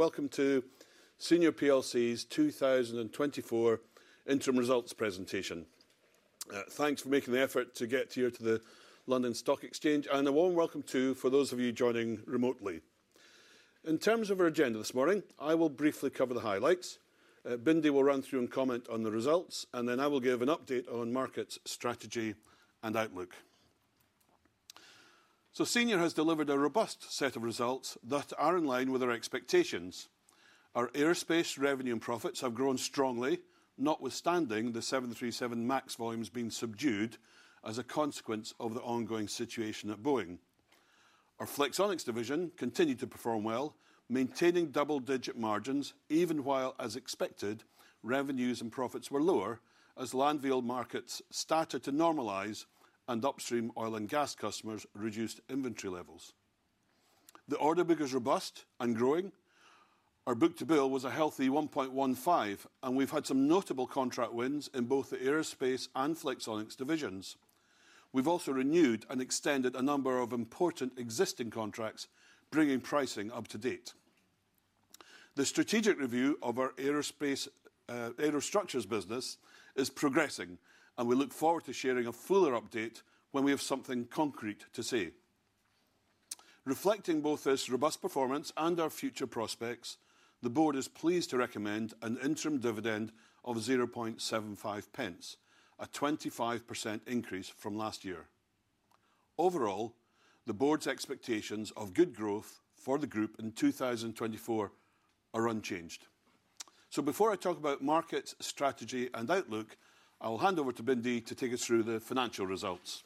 Welcome to Senior plc's 2024 interim results presentation. Thanks for making the effort to get here to the London Stock Exchange, and a warm welcome, too, for those of you joining remotely. In terms of our agenda this morning, I will briefly cover the highlights. Bindi will run through and comment on the results, and then I will give an update on market strategy and outlook. Senior has delivered a robust set of results that are in line with our expectations. Our aerospace revenue and profits have grown strongly, notwithstanding the 737 MAX volumes being subdued as a consequence of the ongoing situation at Boeing. Our Flexonics division continued to perform well, maintaining double-digit margins, even while, as expected, revenues and profits were lower as land vehicle markets started to normalize and upstream oil and gas customers reduced inventory levels. The order book is robust and growing. Our book-to-bill was a healthy 1.15, and we've had some notable contract wins in both the aerospace and Flexonics divisions. We've also renewed and extended a number of important existing contracts, bringing pricing up to date. The strategic review of our aerospace, Aerostructures business is progressing, and we look forward to sharing a fuller update when we have something concrete to say. Reflecting both this robust performance and our future prospects, the board is pleased to recommend an interim dividend of 0.75 pence, a 25% increase from last year. Overall, the board's expectations of good growth for the group in 2024 are unchanged. Before I talk about market strategy and outlook, I will hand over to Bindi to take us through the financial results.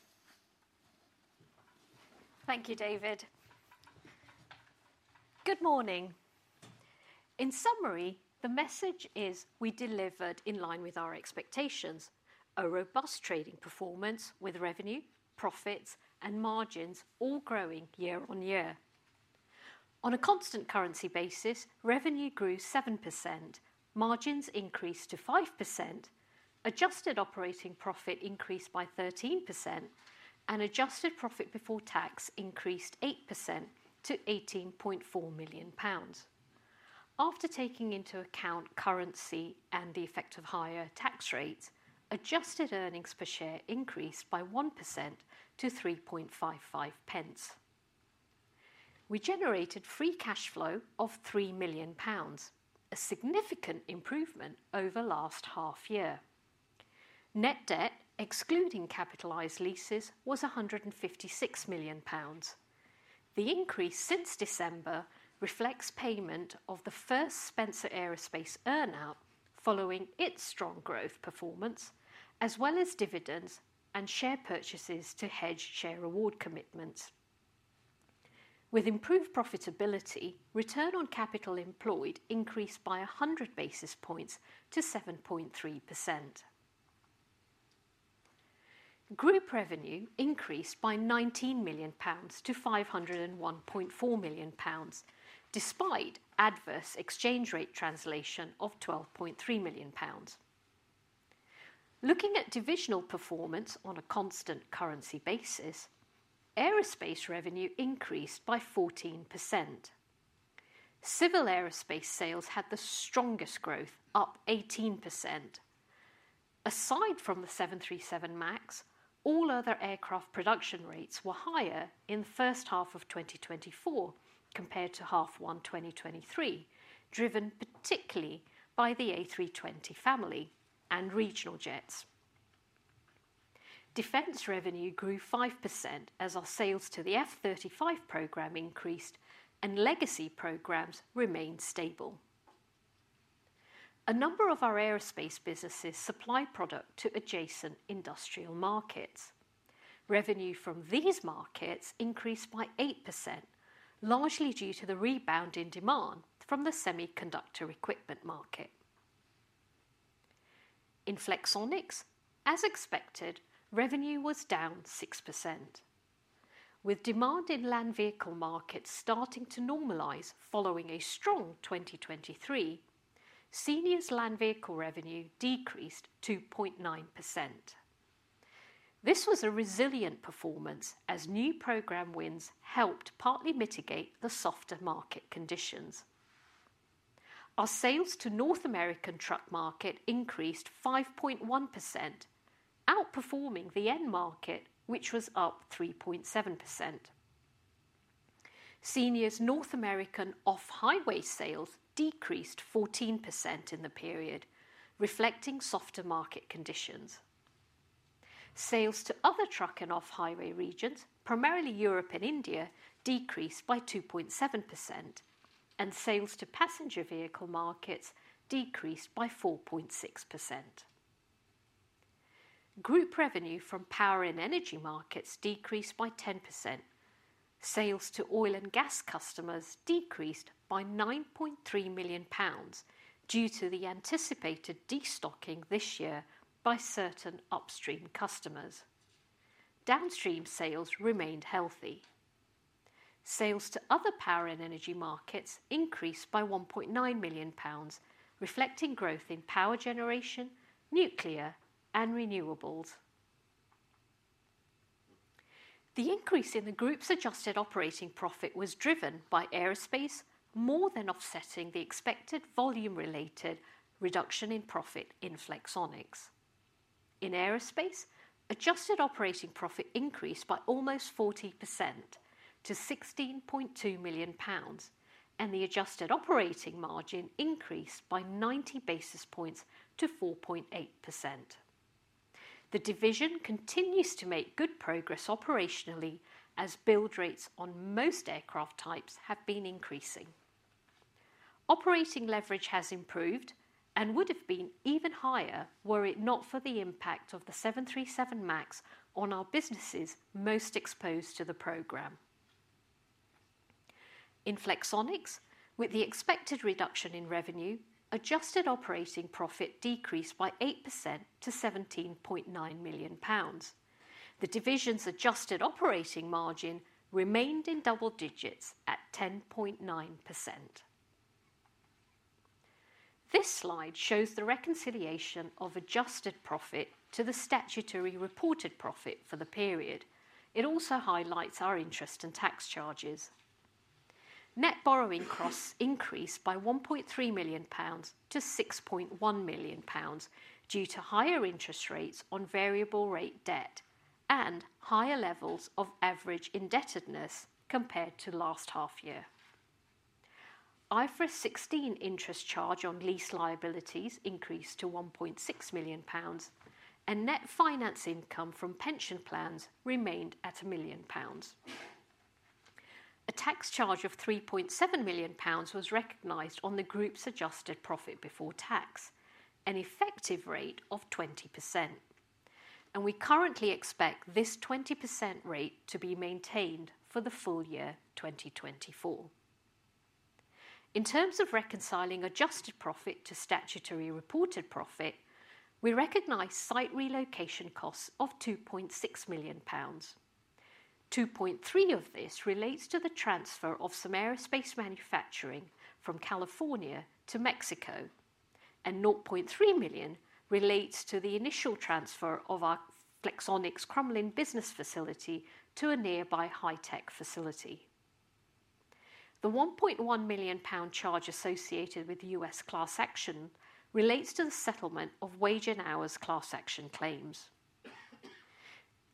Thank you, David. Good morning. In summary, the message is we delivered in line with our expectations: a robust trading performance with revenue, profits, and margins all growing year-on-year. On a constant currency basis, revenue grew 7%, margins increased to 5%, adjusted operating profit increased by 13%, and adjusted profit before tax increased 8% to 18.4 million pounds. After taking into account currency and the effect of higher tax rates, adjusted earnings per share increased by 1% to 3.55 pence. We generated free cash flow of 3 million pounds, a significant improvement over last half year. Net debt, excluding capitalized leases, was 156 million pounds. The increase since December reflects payment of the first Spencer Aerospace earn-out following its strong growth performance, as well as dividends and share purchases to hedge share award commitments. With improved profitability, return on capital employed increased by 100 basis points to 7.3%. Group revenue increased by GBP 19 million to GBP 501.4 million, despite adverse exchange rate translation of GBP 12.3 million. Looking at divisional performance on a constant currency basis, aerospace revenue increased by 14%. Civil aerospace sales had the strongest growth, up 18%. Aside from the 737 MAX, all other aircraft production rates were higher in the first half of 2024 compared to H1 2023, driven particularly by the A320 family and regional jets. Defense revenue grew 5% as our sales to the F-35 program increased and legacy programs remained stable. A number of our aerospace businesses supply product to adjacent industrial markets. Revenue from these markets increased by 8%, largely due to the rebound in demand from the semiconductor equipment market. In Flexonics, as expected, revenue was down 6%. With demand in land vehicle markets starting to normalize following a strong 2023, Senior's land vehicle revenue decreased 2.9%. This was a resilient performance as new program wins helped partly mitigate the softer market conditions. Our sales to North American truck market increased 5.1%, outperforming the end market, which was up 3.7%. Senior's North American off-highway sales decreased 14% in the period, reflecting softer market conditions. Sales to other truck and off-highway regions, primarily Europe and India, decreased by 2.7%, and sales to passenger vehicle markets decreased by 4.6%. Group revenue from power and energy markets decreased by 10%. Sales to oil and gas customers decreased by 9.3 million pounds due to the anticipated destocking this year by certain upstream customers. Downstream sales remained healthy. Sales to other power and energy markets increased by 1.9 million pounds, reflecting growth in power generation, nuclear, and renewables.... The increase in the group's adjusted operating profit was driven by aerospace, more than offsetting the expected volume-related reduction in profit in Flexonics. In aerospace, adjusted operating profit increased by almost 40% to 16.2 million pounds, and the adjusted operating margin increased by 90 basis points to 4.8%. The division continues to make good progress operationally as build rates on most aircraft types have been increasing. Operating leverage has improved and would have been even higher were it not for the impact of the 737 MAX on our businesses most exposed to the program. In Flexonics, with the expected reduction in revenue, adjusted operating profit decreased by 8% to 17.9 million pounds. The division's adjusted operating margin remained in double digits at 10.9%. This slide shows the reconciliation of adjusted profit to the statutory reported profit for the period. It also highlights our interest in tax charges. Net borrowing costs increased by 1.3 million pounds to 6.1 million pounds due to higher interest rates on variable rate debt and higher levels of average indebtedness compared to last half year. IFRS 16 interest charge on lease liabilities increased to 1.6 million pounds, and net finance income from pension plans remained at 1 million pounds. A tax charge of 3.7 million pounds was recognized on the Group's adjusted profit before tax, an effective rate of 20%, and we currently expect this 20% rate to be maintained for the full year 2024. In terms of reconciling adjusted profit to statutory reported profit, we recognize site relocation costs of 2.6 million pounds. 2.3 of this relates to the transfer of some aerospace manufacturing from California to Mexico, and 0.3 million relates to the initial transfer of our Flexonics Crumlin business facility to a nearby high-tech facility. The 1.1 million pound charge associated with the U.S. class action relates to the settlement of wage and hours class action claims.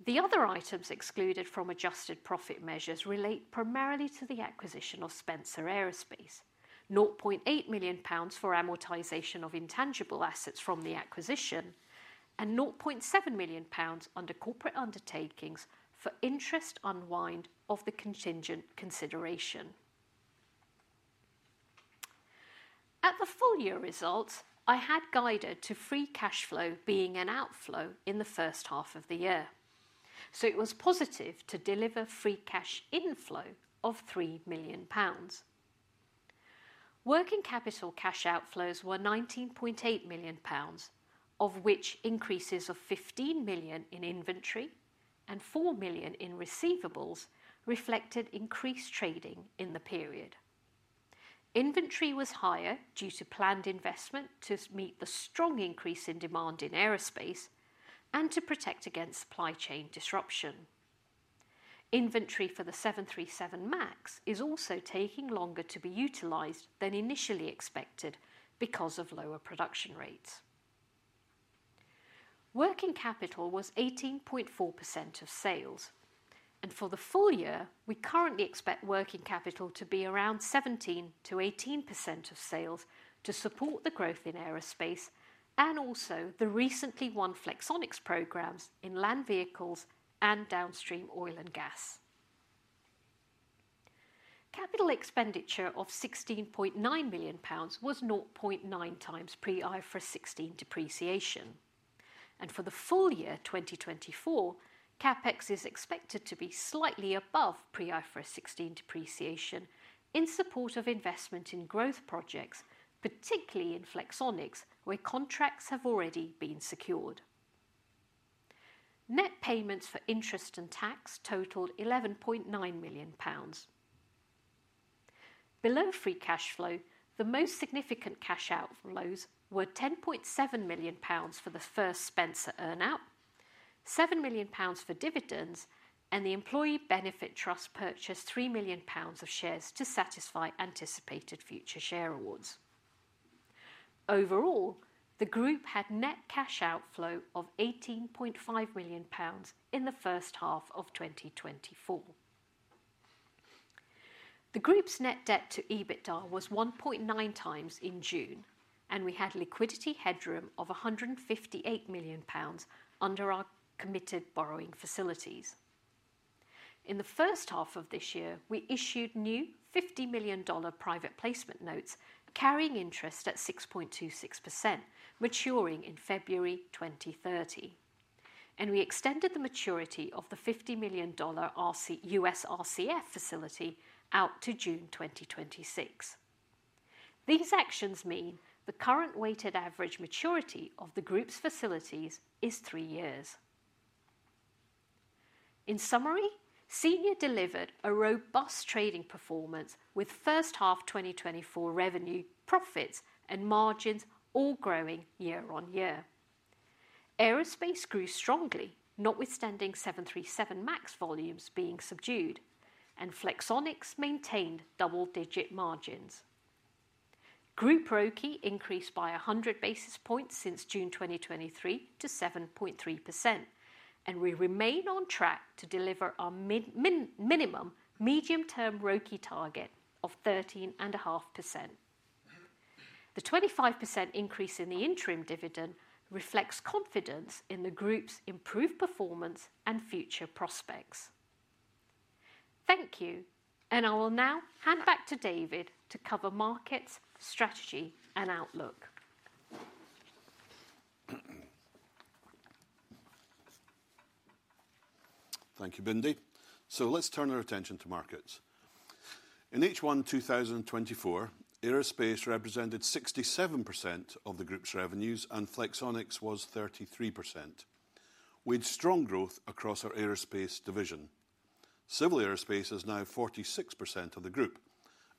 The other items excluded from adjusted profit measures relate primarily to the acquisition of Spencer Aerospace, 0.8 million pounds for amortization of intangible assets from the acquisition, and 0.7 million pounds under corporate undertakings for interest unwind of the contingent consideration. At the full year results, I had guided to free cash flow being an outflow in the first half of the year, so it was positive to deliver free cash inflow of 3 million pounds. Working capital cash outflows were 19.8 million pounds, of which increases of 15 million in inventory and 4 million in receivables reflected increased trading in the period. Inventory was higher due to planned investment to meet the strong increase in demand in aerospace and to protect against supply chain disruption. Inventory for the 737 MAX is also taking longer to be utilized than initially expected because of lower production rates. Working capital was 18.4% of sales, and for the full year, we currently expect working capital to be around 17%-18% of sales to support the growth in aerospace and also the recently won Flexonics programs in land vehicles and downstream oil and gas. Capital expenditure of GBP 16.9 million was 0.9 times pre-IFRS 16 depreciation, and for the full year 2024, CapEx is expected to be slightly above pre-IFRS 16 depreciation in support of investment in growth projects, particularly in Flexonics, where contracts have already been secured. Net payments for interest and tax totaled 11.9 million pounds. Below free cash flow, the most significant cash outflows were 10.7 million pounds for the first Spencer earn-out, 7 million pounds for dividends, and the employee benefit trust purchased 3 million pounds of shares to satisfy anticipated future share awards. Overall, the group had net cash outflow of 18.5 million pounds in the first half of 2024. The group's net debt to EBITDA was 1.9 times in June, and we had liquidity headroom of 158 million pounds under our committed borrowing facilities. In the first half of this year, we issued new $50 million private placement notes carrying interest at 6.26%, maturing in February 2030, and we extended the maturity of the $50 million U.S. RCF facility out to June 2026. These actions mean the current weighted average maturity of the group's facilities is 3 years. In summary, Senior delivered a robust trading performance with first half 2024 revenue, profits, and margins all growing year-on-year. Aerospace grew strongly, notwithstanding 737 MAX volumes being subdued, and Flexonics maintained double-digit margins. Group ROCE increased by 100 basis points since June 2023 to 7.3%, and we remain on track to deliver our minimum medium-term ROCE target of 13.5%. The 25% increase in the interim dividend reflects confidence in the group's improved performance and future prospects. Thank you, and I will now hand back to David to cover markets, strategy, and outlook. Thank you, Bindi. So let's turn our attention to markets. In H1 2024, aerospace represented 67% of the group's revenues, and Flexonics was 33%, with strong growth across our aerospace division. Civil aerospace is now 46% of the group,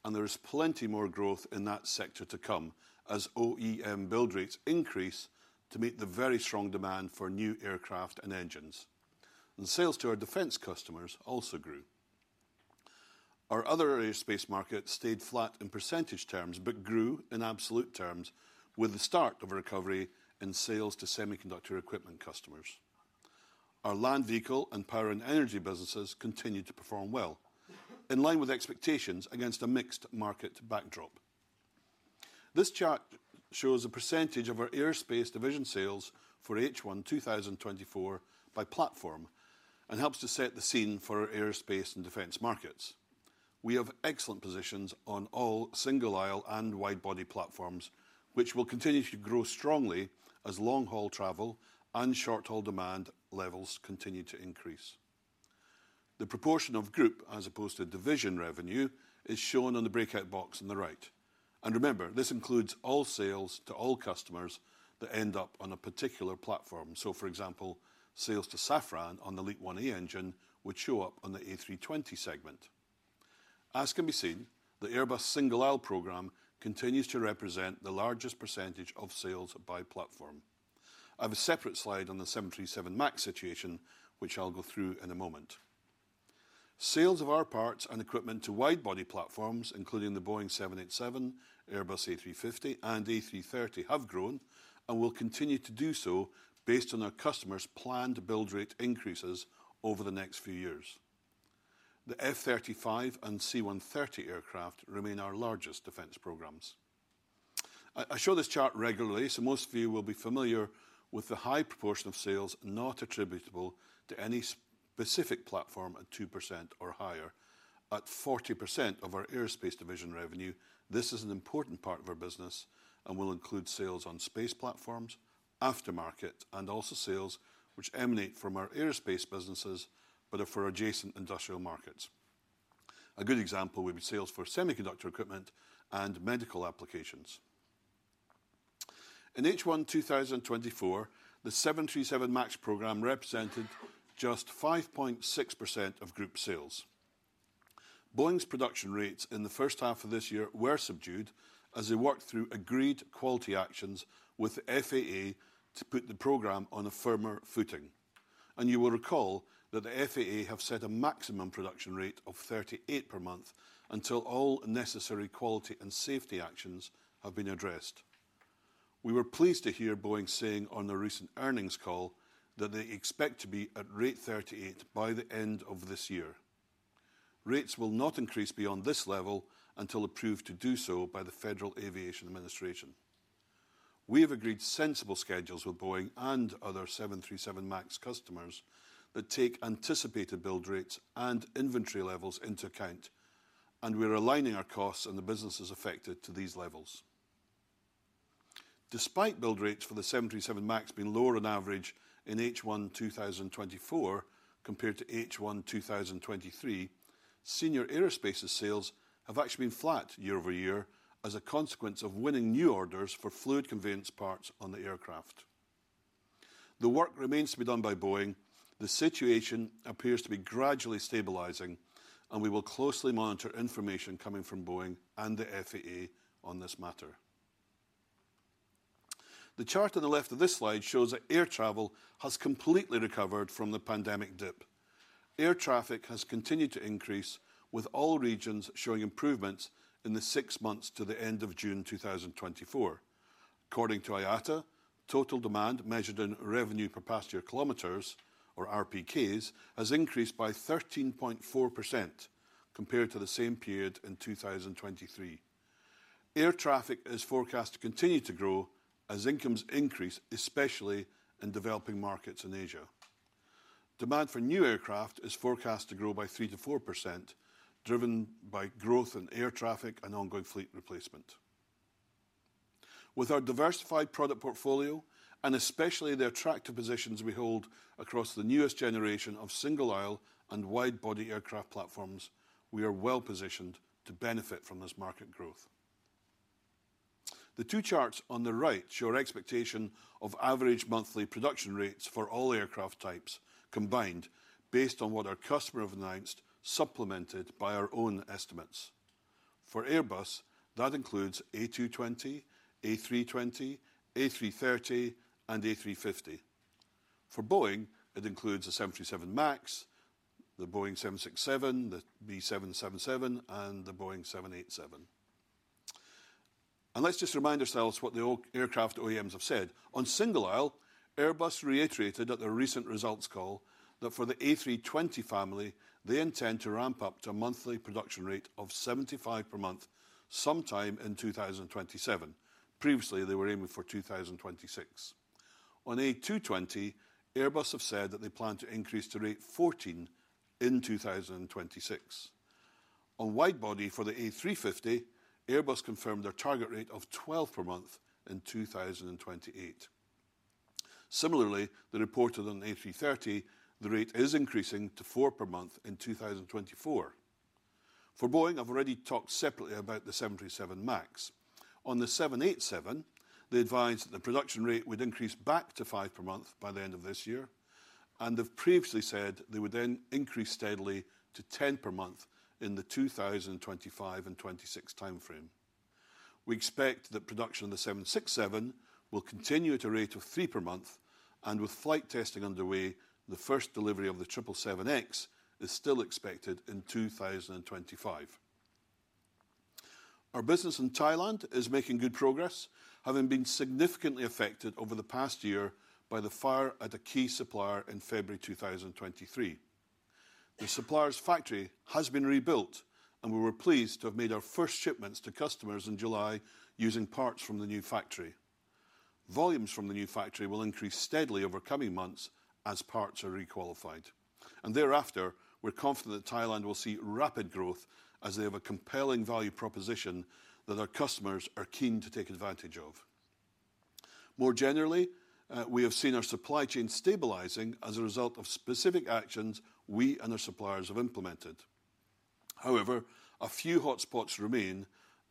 and there is plenty more growth in that sector to come as OEM build rates increase to meet the very strong demand for new aircraft and engines. And sales to our defense customers also grew. Our other aerospace markets stayed flat in percentage terms, but grew in absolute terms with the start of a recovery in sales to semiconductor equipment customers. Our land vehicle and power and energy businesses continued to perform well, in line with expectations against a mixed market backdrop. This chart shows a percentage of our aerospace division sales for H1 2024 by platform and helps to set the scene for our aerospace and defense markets. We have excellent positions on all single-aisle and widebody platforms, which will continue to grow strongly as long-haul travel and short-haul demand levels continue to increase. The proportion of group, as opposed to division revenue, is shown on the breakout box on the right. And remember, this includes all sales to all customers that end up on a particular platform. So, for example, sales to Safran on the LEAP-1A engine would show up on the A320 segment. As can be seen, the Airbus single-aisle program continues to represent the largest percentage of sales by platform. I have a separate slide on the 737 MAX situation, which I'll go through in a moment. Sales of our parts and equipment to widebody platforms, including the Boeing 787, Airbus A350, and A330, have grown and will continue to do so based on our customers' planned build rate increases over the next few years. The F-35 and C-130 aircraft remain our largest defense programs. I show this chart regularly, so most of you will be familiar with the high proportion of sales not attributable to any specific platform at 2% or higher. At 40% of our aerospace division revenue, this is an important part of our business and will include sales on space platforms, aftermarket, and also sales which emanate from our aerospace businesses, but are for adjacent industrial markets. A good example would be sales for semiconductor equipment and medical applications. In H1 2024, the 737 MAX programme represented just 5.6% of group sales. Boeing's production rates in the first half of this year were subdued as they worked through agreed quality actions with the FAA to put the program on a firmer footing. And you will recall that the FAA have set a maximum production rate of 38 per month until all necessary quality and safety actions have been addressed. We were pleased to hear Boeing saying on their recent earnings call that they expect to be at rate 38 by the end of this year. Rates will not increase beyond this level until approved to do so by the Federal Aviation Administration. We have agreed sensible schedules with Boeing and other 737 MAX customers that take anticipated build rates and inventory levels into account, and we are aligning our costs and the businesses affected to these levels. Despite build rates for the 737 MAX being lower on average in H1 2024 compared to H1 2023, Senior Aerospace's sales have actually been flat year-over-year as a consequence of winning new orders for fluid conveyance parts on the aircraft. The work remains to be done by Boeing. The situation appears to be gradually stabilizing, and we will closely monitor information coming from Boeing and the FAA on this matter. The chart on the left of this slide shows that air travel has completely recovered from the pandemic dip. Air traffic has continued to increase, with all regions showing improvements in the six months to the end of June 2024. According to IATA, total demand, measured in revenue passenger kilometers, or RPKs, has increased by 13.4% compared to the same period in 2023. Air traffic is forecast to continue to grow as incomes increase, especially in developing markets in Asia. Demand for new aircraft is forecast to grow by 3%-4%, driven by growth in air traffic and ongoing fleet replacement. With our diversified product portfolio, and especially the attractive positions we hold across the newest generation of single-aisle and widebody aircraft platforms, we are well positioned to benefit from this market growth. The two charts on the right show our expectation of average monthly production rates for all aircraft types combined, based on what our customer have announced, supplemented by our own estimates... for Airbus, that includes A220, A320, A330, and A350. For Boeing, it includes the 737 MAX, the Boeing 767, the B777, and the Boeing 787. Let's just remind ourselves what the old aircraft OEMs have said. On single-aisle, Airbus reiterated at their recent results call that for the A320 family, they intend to ramp up to a monthly production rate of 75 per month sometime in 2027. Previously, they were aiming for 2026. On A220, Airbus have said that they plan to increase to rate 14 in 2026. On wide-body for the A350, Airbus confirmed their target rate of 12 per month in 2028. Similarly, they reported on the A330, the rate is increasing to 4 per month in 2024. For Boeing, I've already talked separately about the 737 MAX. On the 787, they advised that the production rate would increase back to 5 per month by the end of this year, and they've previously said they would then increase steadily to 10 per month in the 2025 and 2026 timeframe. We expect that production of the 767 will continue at a rate of 3 per month, and with flight testing underway, the first delivery of the 777X is still expected in 2025. Our business in Thailand is making good progress, having been significantly affected over the past year by the fire at a key supplier in February 2023. The supplier's factory has been rebuilt, and we were pleased to have made our first shipments to customers in July using parts from the new factory. Volumes from the new factory will increase steadily over coming months as parts are re-qualified, and thereafter, we're confident that Thailand will see rapid growth as they have a compelling value proposition that our customers are keen to take advantage of. More generally, we have seen our supply chain stabilizing as a result of specific actions we and our suppliers have implemented. However, a few hotspots remain,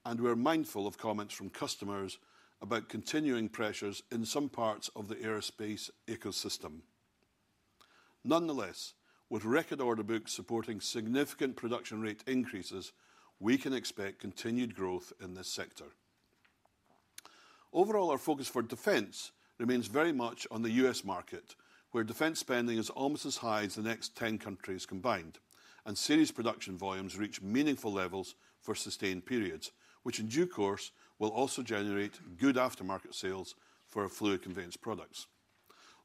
and we're mindful of comments from customers about continuing pressures in some parts of the aerospace ecosystem. Nonetheless, with record order books supporting significant production rate increases, we can expect continued growth in this sector. Overall, our focus for defense remains very much on the U.S. market, where defense spending is almost as high as the next 10 countries combined, and series production volumes reach meaningful levels for sustained periods, which in due course, will also generate good aftermarket sales for our fluid conveyance products.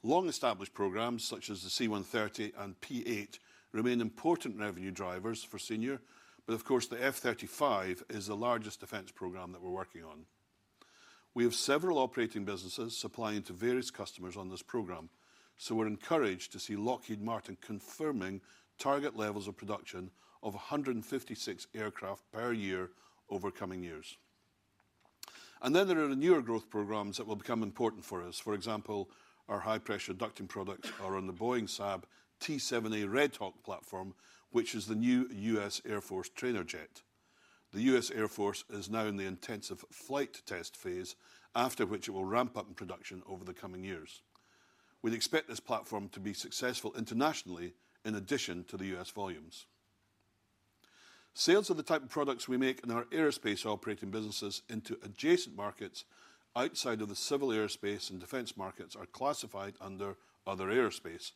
Long-established programs, such as the C-130 and P-8, remain important revenue drivers for Senior, but of course, the F-35 is the largest defense program that we're working on. We have several operating businesses supplying to various customers on this program, so we're encouraged to see Lockheed Martin confirming target levels of production of 156 aircraft per year over coming years. And then there are the newer growth programs that will become important for us. For example, our high-pressure ducting products are on the Boeing-Saab T-7A Red Hawk platform, which is the new U.S. Air Force trainer jet. The U.S. Air Force is now in the intensive flight test phase, after which it will ramp up in production over the coming years. We expect this platform to be successful internationally in addition to the U.S. volumes. Sales of the type of products we make in our aerospace operating businesses into adjacent markets outside of the civil aerospace and defense markets are classified under other aerospace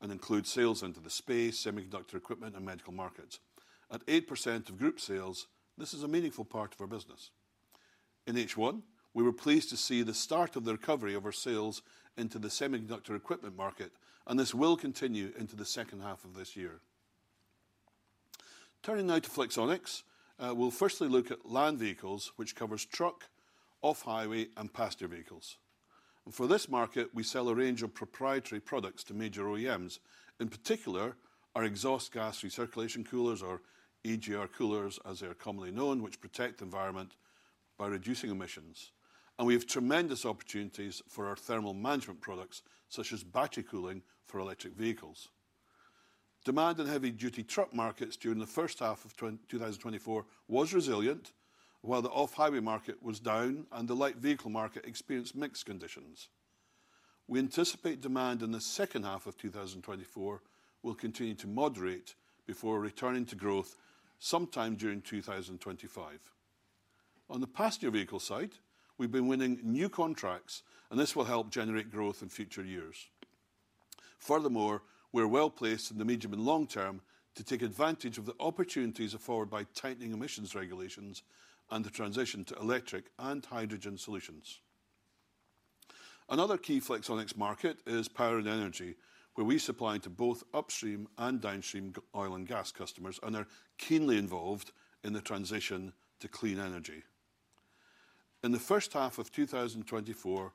and include sales into the space, semiconductor equipment, and medical markets. At 8% of group sales, this is a meaningful part of our business. In H1, we were pleased to see the start of the recovery of our sales into the semiconductor equipment market, and this will continue into the second half of this year. Turning now to Flexonics, we'll firstly look at land vehicles, which covers truck, off-highway, and passenger vehicles, and for this market, we sell a range of proprietary products to major OEMs. In particular, our exhaust gas recirculation coolers or EGR coolers, as they are commonly known, which protect the environment by reducing emissions. And we have tremendous opportunities for our thermal management products, such as battery cooling for electric vehicles. Demand in heavy-duty truck markets during the first half of 2024 was resilient, while the off-highway market was down and the light vehicle market experienced mixed conditions. We anticipate demand in the second half of 2024 will continue to moderate before returning to growth sometime during 2025. On the passenger vehicle side, we've been winning new contracts, and this will help generate growth in future years. Furthermore, we're well-placed in the medium and long term to take advantage of the opportunities afforded by tightening emissions regulations and the transition to electric and hydrogen solutions. Another key Flexonics market is power and energy, where we supply to both upstream and downstream oil and gas customers and are keenly involved in the transition to clean energy. In the first half of 2024,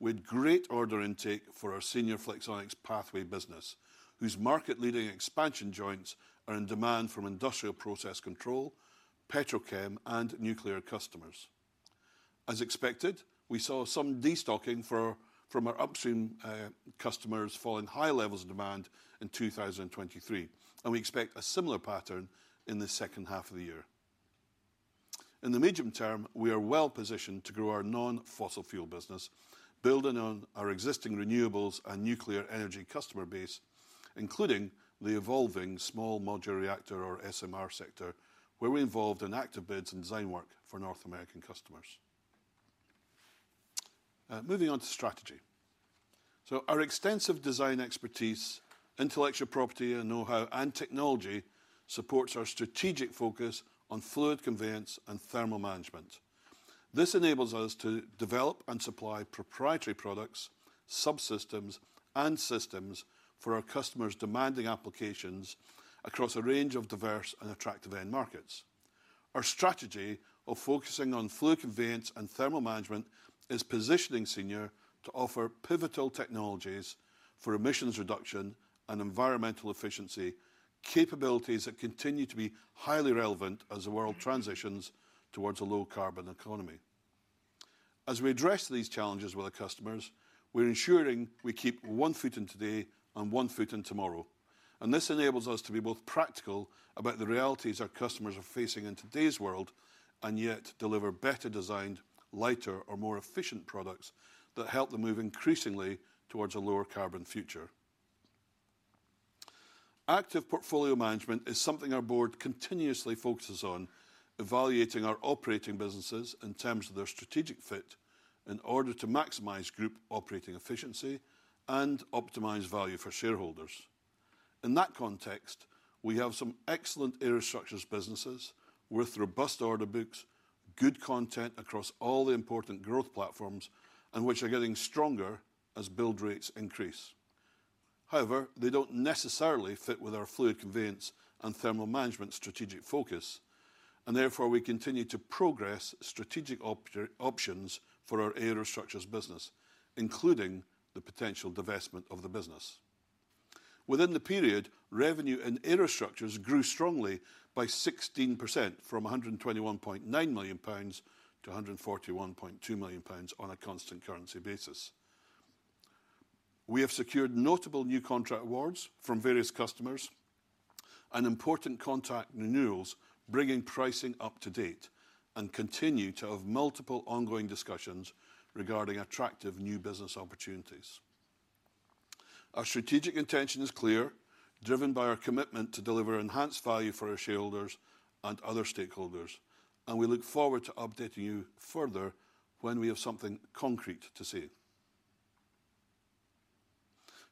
we had great order intake for our Senior Flexonics Pathway business, whose market-leading expansion joints are in demand from industrial process control, petrochem, and nuclear customers. As expected, we saw some destocking from our upstream customers following high levels of demand in 2023, and we expect a similar pattern in the second half of the year. In the medium term, we are well-positioned to grow our non-fossil fuel business, building on our existing renewables and nuclear energy customer base, including the evolving small modular reactor or SMR sector, where we're involved in active bids and design work for North American customers. Moving on to strategy. So our extensive design expertise, intellectual property, and know-how, and technology supports our strategic focus on fluid conveyance and thermal management. This enables us to develop and supply proprietary products, subsystems, and systems for our customers demanding applications across a range of diverse and attractive end markets. Our strategy of focusing on fluid conveyance and thermal management is positioning Senior to offer pivotal technologies for emissions reduction and environmental efficiency, capabilities that continue to be highly relevant as the world transitions towards a low carbon economy. As we address these challenges with our customers, we're ensuring we keep one foot in today and one foot in tomorrow, and this enables us to be both practical about the realities our customers are facing in today's world, and yet deliver better designed, lighter, or more efficient products that help them move increasingly towards a lower carbon future. Active portfolio management is something our board continuously focuses on, evaluating our operating businesses in terms of their strategic fit in order to maximize group operating efficiency and optimize value for shareholders. In that context, we have some excellent Aerostructures businesses with robust order books, good content across all the important growth platforms, and which are getting stronger as build rates increase. However, they don't necessarily fit with our fluid conveyance and thermal management strategic focus, and therefore we continue to progress strategic options for our Aerostructures business, including the potential divestment of the business. Within the period, revenue in Aerostructures grew strongly by 16%, from 121.9 million pounds to 141.2 million pounds on a constant currency basis. We have secured notable new contract awards from various customers and important contract renewals, bringing pricing up to date, and continue to have multiple ongoing discussions regarding attractive new business opportunities. Our strategic intention is clear, driven by our commitment to deliver enhanced value for our shareholders and other stakeholders, and we look forward to updating you further when we have something concrete to say.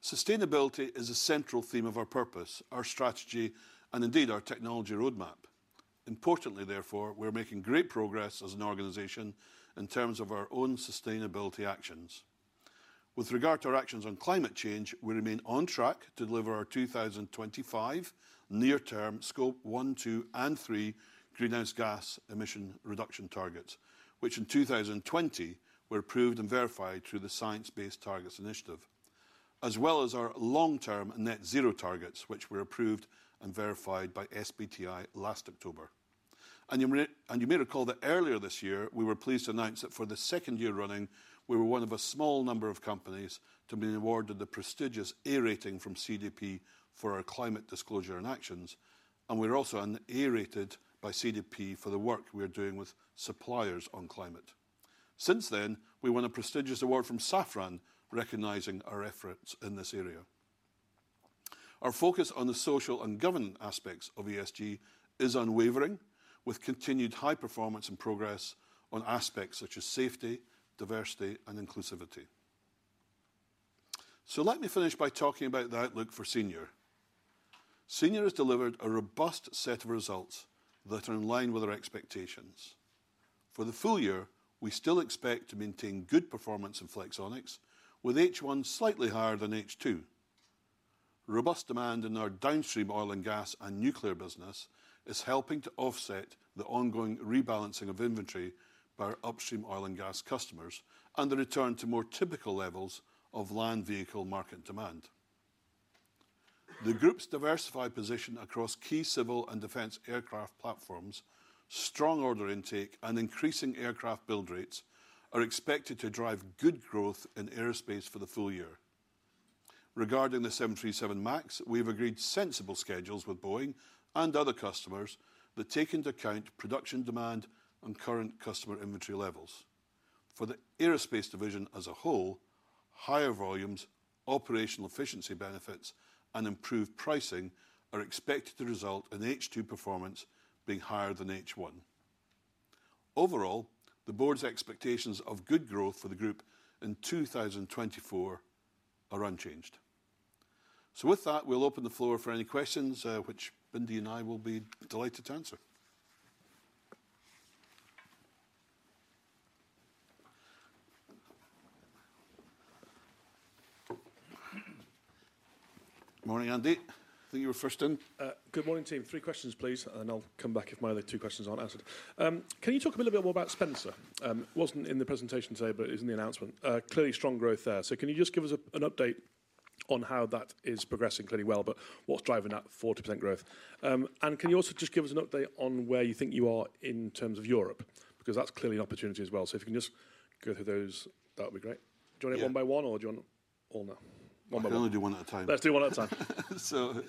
Sustainability is a central theme of our purpose, our strategy, and indeed, our technology roadmap. Importantly, therefore, we're making great progress as an organization in terms of our own sustainability actions. With regard to our actions on climate change, we remain on track to deliver our 2025 near-term Scope 1, 2, and 3 greenhouse gas emission reduction targets, which in 2020 were approved and verified through the Science-Based Targets Initiative, as well as our long-term net zero targets, which were approved and verified by SBTi last October. And you may recall that earlier this year, we were pleased to announce that for the second year running, we were one of a small number of companies to be awarded the prestigious A rating from CDP for our climate disclosure and actions, and we're also A-rated by CDP for the work we are doing with suppliers on climate. Since then, we won a prestigious award from Safran, recognizing our efforts in this area. Our focus on the social and governance aspects of ESG is unwavering, with continued high performance and progress on aspects such as safety, diversity, and inclusivity. So let me finish by talking about the outlook for Senior. Senior has delivered a robust set of results that are in line with our expectations. For the full year, we still expect to maintain good performance in Flexonics, with H1 slightly higher than H2. Robust demand in our downstream oil and gas and nuclear business is helping to offset the ongoing rebalancing of inventory by our upstream oil and gas customers and the return to more typical levels of land vehicle market demand. The group's diversified position across key civil and defense aircraft platforms, strong order intake, and increasing aircraft build rates are expected to drive good growth in aerospace for the full year. Regarding the 737 MAX, we've agreed sensible schedules with Boeing and other customers that take into account production demand and current customer inventory levels. For the aerospace division as a whole, higher volumes, operational efficiency benefits, and improved pricing are expected to result in H2 performance being higher than H1. Overall, the board's expectations of good growth for the group in 2024 are unchanged. So with that, we'll open the floor for any questions, which Bindi and I will be delighted to answer. Morning, Andy. I think you were first in. Good morning, team. Three questions, please, and I'll come back if my other two questions aren't answered. Can you talk a little bit more about Spencer? It wasn't in the presentation today, but it was in the announcement. Clearly strong growth there. So can you just give us a, an update on how that is progressing clearly well, but what's driving that 40% growth? And can you also just give us an update on where you think you are in terms of Europe? Because that's clearly an opportunity as well. So if you can just go through those, that would be great. Yeah. Do you want it one by one, or do you want all now? One by one. I can only do one at a time. Let's do one at a time. So,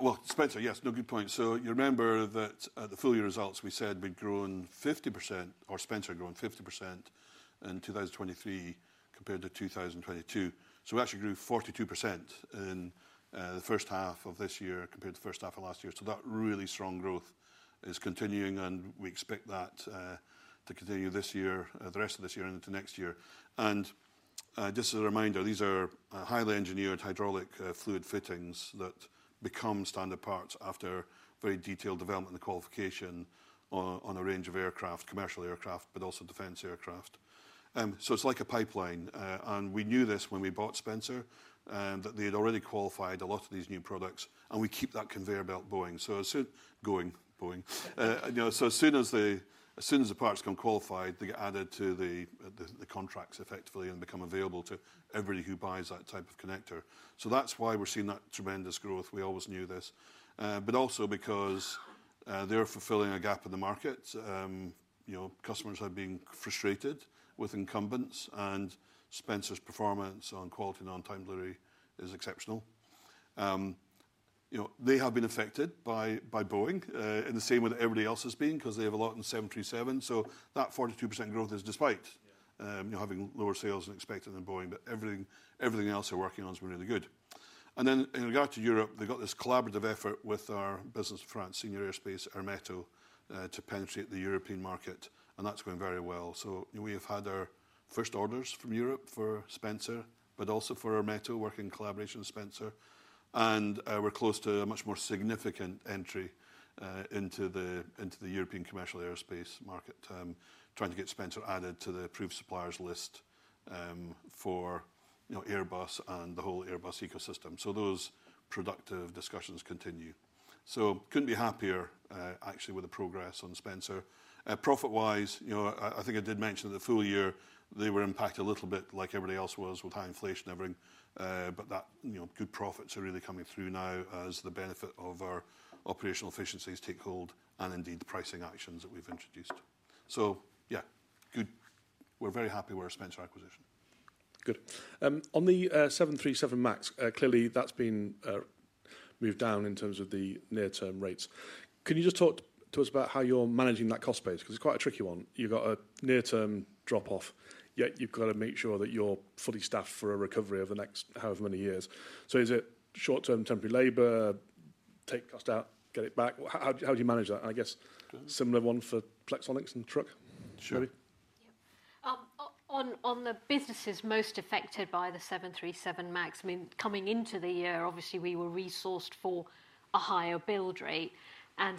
well, Spencer, yes, no, good point. So you remember that at the full year results, we said we'd grown 50%, or Spencer had grown 50% in 2023 compared to 2022. So we actually grew 42% in the first half of this year compared to the first half of last year. So that really strong growth is continuing, and we expect that to continue this year, the rest of this year and into next year. And just as a reminder, these are highly engineered hydraulic fluid fittings that become standard parts after very detailed development and qualification on a range of aircraft, commercial aircraft, but also defense aircraft. So it's like a pipeline. And we knew this when we bought Spencer, and that they'd already qualified a lot of these new products, and we keep that conveyor belt going. So as soon as the parts become qualified, they get added to the contracts effectively and become available to everybody who buys that type of connector. So that's why we're seeing that tremendous growth. We always knew this. But also because they're fulfilling a gap in the market. You know, customers have been frustrated with incumbents, and Spencer's performance on quality and on-time delivery is exceptional. You know, they have been affected by Boeing in the same way that everybody else has been, 'cause they have a lot in the 737. So that 42% growth is despite- Yeah... you know, having lower sales than expected in Boeing, but everything, everything else they're working on is really good. And then, in regard to Europe, they've got this collaborative effort with our business in France, Senior Aerospace Ermeto, to penetrate the European market, and that's going very well. So we have had our first orders from Europe for Spencer, but also for Ermeto, working in collaboration with Spencer. And, we're close to a much more significant entry into the European commercial aerospace market. Trying to get Spencer added to the approved suppliers list, for, you know, Airbus and the whole Airbus ecosystem. So those productive discussions continue. So couldn't be happier, actually, with the progress on Spencer. Profit-wise, you know, I, I think I did mention the full year, they were impacted a little bit like everybody else was with high inflation and everything, but that, you know, good profits are really coming through now as the benefit of our operational efficiencies take hold and indeed, the pricing actions that we've introduced. So yeah, good. We're very happy with our Spencer acquisition. Good. On the 737 MAX, clearly, that's been moved down in terms of the near-term rates. Can you just talk to us about how you're managing that cost base? 'Cause it's quite a tricky one. You've got a near-term drop-off, yet you've got to make sure that you're fully staffed for a recovery over the next however many years. So is it short-term temporary labor, take cost out, get it back? How, how do you manage that? And I guess similar one for Flexonics and Truck. Sure. Yeah. On the businesses most affected by the 737 MAX, I mean, coming into the year, obviously, we were resourced for a higher build rate. And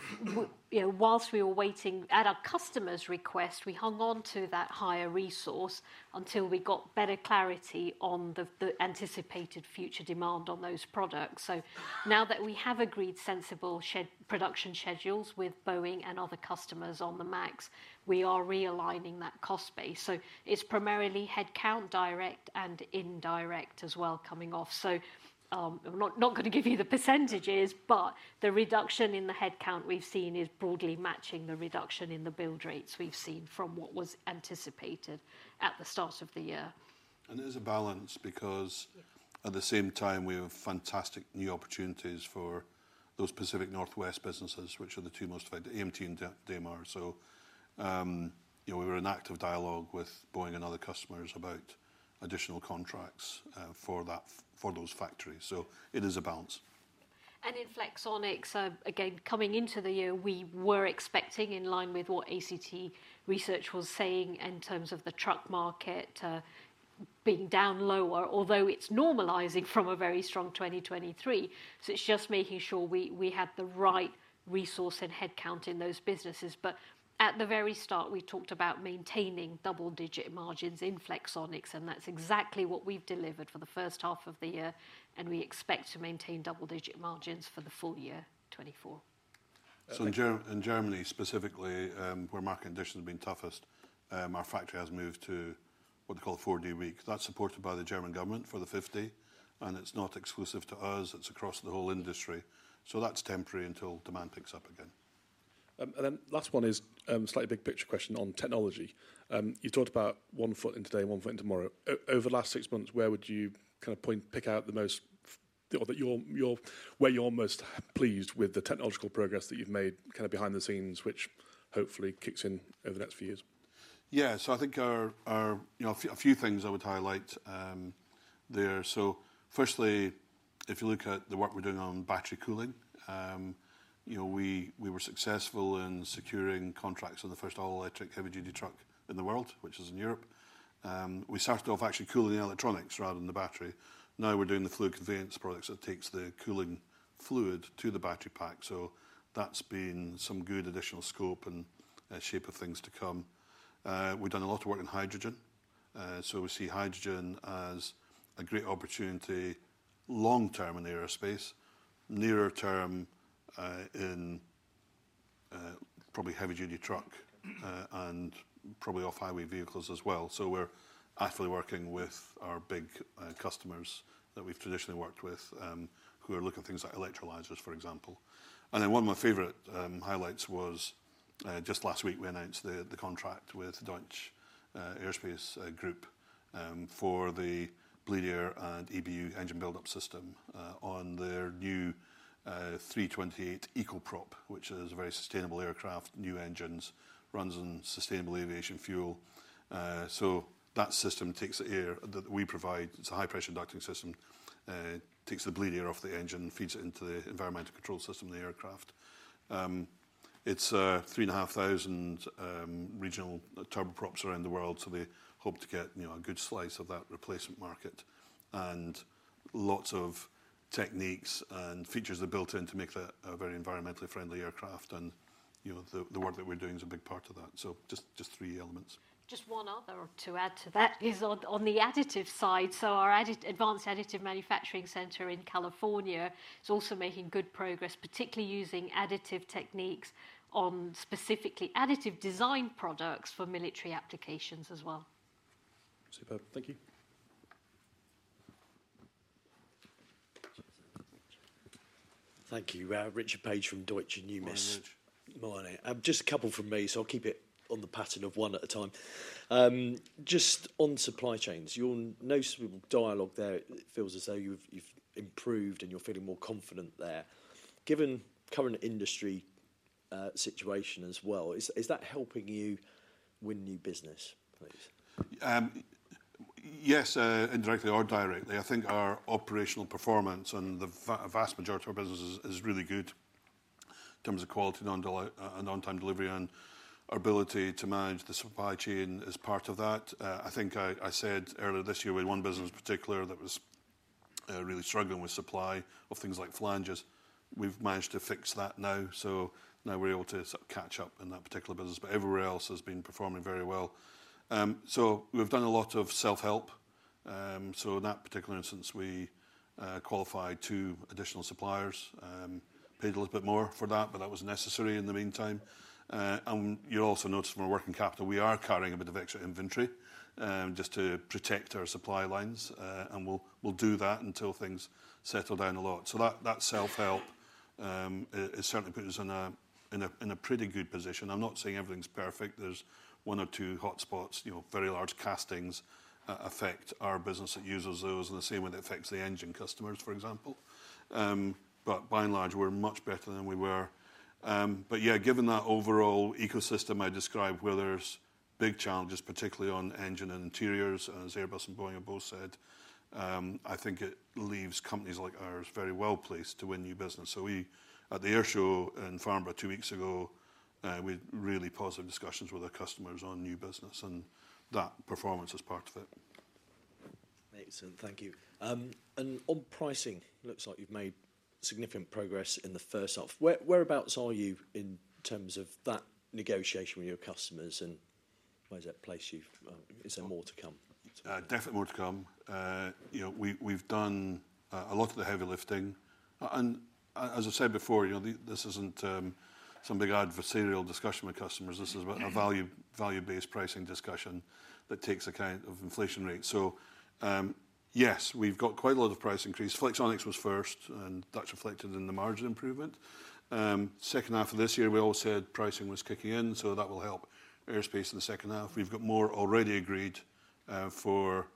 you know, while we were waiting, at our customer's request, we hung on to that higher resource until we got better clarity on the anticipated future demand on those products. So now that we have agreed sensible production schedules with Boeing and other customers on the MAX, we are realigning that cost base. So it's primarily headcount, direct and indirect as well, coming off. So, I'm not going to give you the percentages, but the reduction in the headcount we've seen is broadly matching the reduction in the build rates we've seen from what was anticipated at the start of the year. There's a balance because- Yeah... at the same time, we have fantastic new opportunities for those Pacific Northwest businesses, which are the two most affected, AMT and Damar. So, you know, we were in active dialogue with Boeing and other customers about additional contracts for that, for those factories. So it is a balance. In Flexonics, again, coming into the year, we were expecting in line with what ACT Research was saying in terms of the truck market being down lower, although it's normalizing from a very strong 2023. So it's just making sure we, we had the right resource and headcount in those businesses. But at the very start, we talked about maintaining double-digit margins in Flexonics, and that's exactly what we've delivered for the first half of the year, and we expect to maintain double-digit margins for the full year 2024. So in Germany, specifically, where market conditions have been toughest, our factory has moved to what they call a four-day week. That's supported by the German government for the 50, and it's not exclusive to us. It's across the whole industry. So that's temporary until demand picks up again. And then last one is slightly big picture question on technology. You talked about one foot in today and one foot in tomorrow. Over the last six months, where would you kind of pick out the most that you're most pleased with the technological progress that you've made kind of behind the scenes, which hopefully kicks in over the next few years? Yeah. So I think our, you know, a few things I would highlight there. So firstly, if you look at the work we're doing on battery cooling, you know, we were successful in securing contracts on the first all-electric heavy-duty truck in the world, which is in Europe. We started off actually cooling the electronics rather than the battery. Now we're doing the fluid conveyance products that takes the cooling fluid to the battery pack, so that's been some good additional scope and shape of things to come. We've done a lot of work in hydrogen. So we see hydrogen as a great opportunity long term in the aerospace, nearer term in probably heavy-duty truck and probably off-highway vehicles as well. So we're actively working with our big, customers that we've traditionally worked with, who are looking at things like electrolyzers, for example. And then one of my favorite, highlights was, just last week, we announced the, the contract with Deutsche Aircraft for the bleed air and EBU engine build-up system, on their new, 328 EcoProp, which is a very sustainable aircraft, new engines, runs on sustainable aviation fuel. So that system takes the air that we provide, it's a high-pressure inducting system, takes the bleed air off the engine and feeds it into the environmental control system of the aircraft. It's, 3,500 regional turboprops around the world, so they hope to get, you know, a good slice of that replacement market. Lots of techniques and features are built in to make that a very environmentally friendly aircraft, and, you know, the work that we're doing is a big part of that. So just three elements. Just one other to add to that is on the additive side. So our advanced additive manufacturing center in California is also making good progress, particularly using additive techniques on specifically additive design products for military applications as well. Superb. Thank you. Thank you. Richard Page from Deutsche Numis- Morning, Richard. Morning. Just a couple from me, so I'll keep it on the pattern of one at a time. Just on supply chains, your noticeable dialogue there, it feels as though you've improved and you're feeling more confident there. Given current industry situation as well, is that helping you win new business, please? Yes, indirectly or directly. I think our operational performance and the vast majority of our business is really good in terms of quality and delivery, and on-time delivery, and our ability to manage the supply chain is part of that. I think I said earlier this year, we had one business in particular that was really struggling with supply of things like flanges. We've managed to fix that now, so now we're able to sort of catch up in that particular business, but everywhere else has been performing very well. So we've done a lot of self-help. So in that particular instance, we qualified two additional suppliers, paid a little bit more for that, but that was necessary in the meantime. And you'll also notice from our working capital, we are carrying a bit of extra inventory, just to protect our supply lines, and we'll do that until things settle down a lot. So that self-help, it certainly puts us in a pretty good position. I'm not saying everything's perfect. There's one or two hotspots, you know, very large castings affect our business that uses those in the same way that affects the engine customers, for example. But by and large, we're much better than we were. But yeah, given that overall ecosystem I described, where there's big challenges, particularly on engine and interiors, as Airbus and Boeing have both said, I think it leaves companies like ours very well-placed to win new business. So we... At the air show in Farnborough two weeks ago, we had really positive discussions with our customers on new business, and that performance is part of it. Excellent. Thank you. And on pricing, it looks like you've made significant progress in the first half. Where, whereabouts are you in terms of that negotiation with your customers, and where does that place you? Is there more to come? Definitely more to come. You know, we, we've done a lot of the heavy lifting, and as I said before, you know, this isn't some big adversarial discussion with customers. This is a value-based pricing discussion that takes account of inflation rates. So, yes, we've got quite a lot of price increase. Flexonics was first, and that's reflected in the margin improvement. Second half of this year, we all said pricing was kicking in, so that will help aerospace in the second half. We've got more already agreed for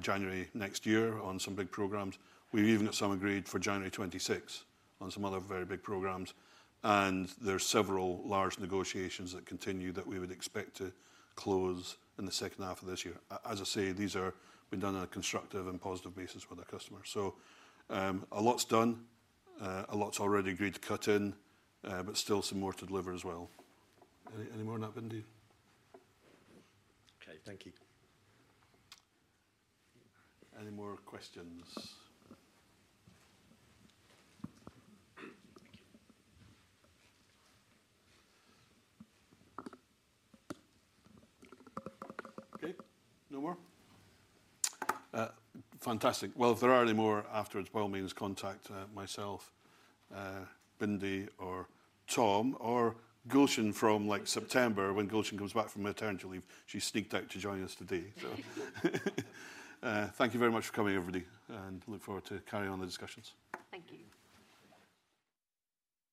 January next year on some big programs. We've even got some agreed for January 2026 on some other very big programs, and there are several large negotiations that continue that we would expect to close in the second half of this year. As I say, these are being done on a constructive and positive basis with our customers. So, a lot's done, a lot's already agreed to cut in, but still some more to deliver as well. Any more on that, Bindi? Okay, thank you. Any more questions? Thank you. Okay, no more? Fantastic. Well, if there are any more afterwards, by all means, contact myself, Bindi, or Tom, or Gulshan from, like, September, when Gulshan comes back from maternity leave. She sneaked out to join us today. So, thank you very much for coming, everybody, and look forward to carrying on the discussions. Thank you.